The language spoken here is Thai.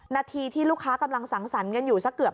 นาทีที่ลูกค้ากำลังสังสรรค์กันอยู่สักเกือบ